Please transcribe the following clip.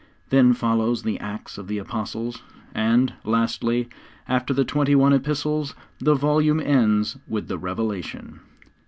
Then follows the Acts of the Apostles, and, lastly, after the twenty one epistles, the volume ends with the Revelation.